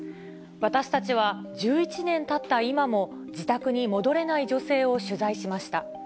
私たちは、１１年たった今も、自宅に戻れない女性を取材しました。